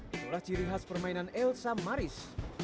itulah ciri khas permainan elsa maris